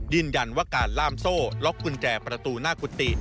ยืนยันว่าการล่ามโซ่ล็อกกุญแจประตูหน้ากุฏิ